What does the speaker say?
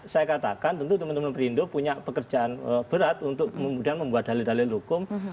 saya katakan tentu teman teman perindo punya pekerjaan berat untuk membuat dalil dalil hukum